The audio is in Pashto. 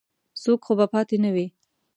څوک خو به پاتې نه وي.